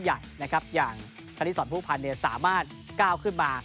ใหญ่นะครับอย่างคณิสรผู้พันธุ์เนี่ยสามารถก้าวขึ้นมา